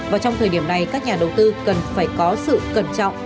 và trong thời điểm này các nhà đầu tư cần phải có sự cẩn trọng